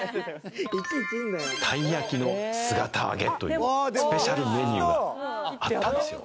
たいやきの姿揚げというスペシャルメニューがあったんですよ。